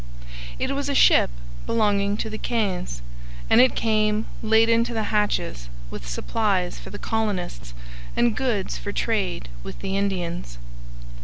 It was a ship belonging to the Caens, and it came laden to the hatches with supplies for the colonists and goods for trade with the Indians.